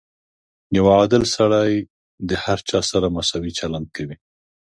• یو عادل سړی د هر چا سره مساوي چلند کوي.